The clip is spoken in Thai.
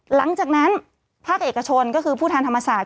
หลังจากนั้นภาคเอกชนก็คือผู้แทนธรรมศาสต